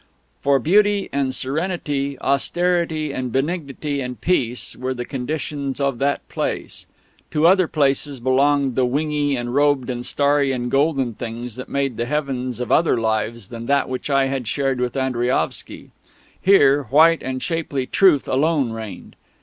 For beauty and serenity, austerity and benignity and peace, were the conditions of that Place. To other Places belonged the wingy and robed and starry and golden things that made the heavens of other lives than that which I had shared with Andriaovsky; here, white and shapely Truth alone reigned.